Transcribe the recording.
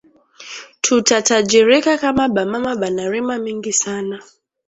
Tuta tajirika kama ba mama bana rima mingi sana